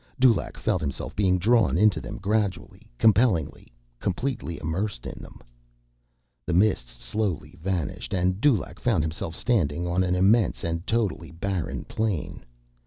Dulaq felt himself being drawn into them gradually, compellingly, completely immersed in them. The mists slowly vanished, and Dulaq found himself standing on an immense and totally barren plain.